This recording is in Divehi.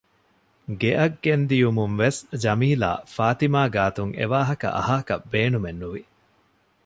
ގެއަށް ގެންދިޔުމުންވެސް ޖަމީލާ ފާތިމާ ގާތުން އެވާހަކަ އަހާކަށް ބޭނުމެއް ނުވި